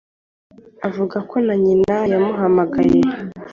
Avuga ko na nyina yamuhamagaye,